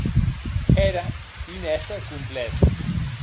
Ère un èsser complet.